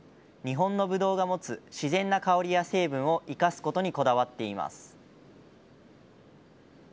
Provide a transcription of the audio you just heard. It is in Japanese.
日本のぶどうが持つ自然な香りや成分を生かすことにこだわっています。